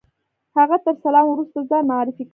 هغه تر سلام وروسته ځان معرفي کړ.